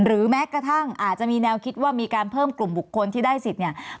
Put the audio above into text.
แม้กระทั่งอาจจะมีแนวคิดว่ามีการเพิ่มกลุ่มบุคคลที่ได้สิทธิ์เนี่ย